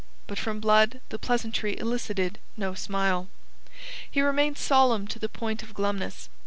But from Blood the pleasantry elicited no smile. He remained solemn to the point of glumness.